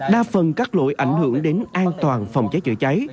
đa phần các lỗi ảnh hưởng đến an toàn phòng cháy chữa cháy